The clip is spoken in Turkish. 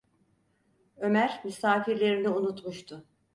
Ömer, misafirlerini unutmuştu: